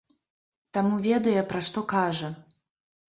Таму ведае, пра што кажа.